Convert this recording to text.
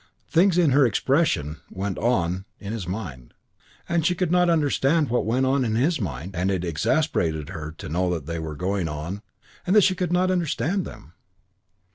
Things, in her expression, "went on" in his mind, and she could not understand what went on in his mind, and it exasperated her to know they were going on and that she could not understand them.